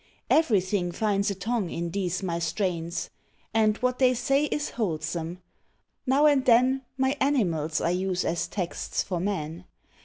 Everything finds a tongue in these my strains; And what they say is wholesome: now and then My animals I use as texts for men.